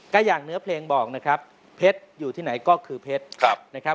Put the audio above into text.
ก็อย่างเนื้อเพลงบอกนะครับเพชรอยู่ที่ไหนก็คือเพชรนะครับ